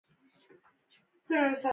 میمنه ښار ولې زرغون دی؟